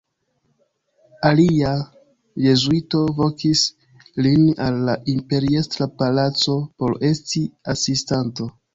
Alia jezuito vokis lin al la imperiestra palaco por esti asistanto.